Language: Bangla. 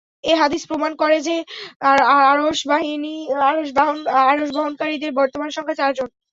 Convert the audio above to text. এ হাদীস প্রমাণ করে যে, আরশ বহনকারীদের বর্তমান সংখ্যা চারজন!